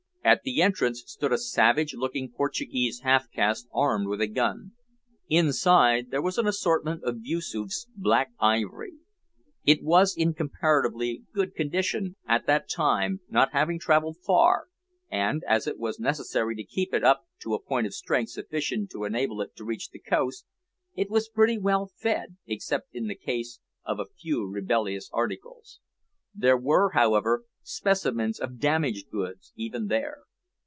At the entrance stood a savage looking Portuguese half caste armed with a gun. Inside there was an assortment of Yoosoof's Black Ivory. It was in comparatively good condition at that time, not having travelled far, and, as it was necessary to keep it up to a point of strength sufficient to enable it to reach the coast, it was pretty well fed except in the case of a few rebellious articles. There were, however, specimens of damaged goods even there.